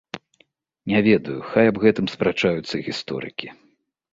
Не ведаю, хай аб гэтым спрачаюцца гісторыкі.